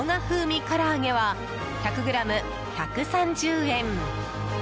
風味からあげは１００ｇ１３０円。